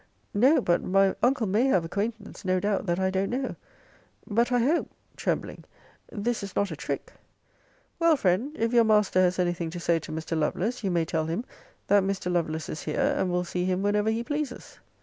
No; but my uncle may have acquaintance, no doubt, that I don't know. But I hope [trembling] this is not a trick. Well, friend, if your master has anything to say to Mr. Lovelace, you may tell him, that Mr. Lovelace is here; and will see him whenever he pleases.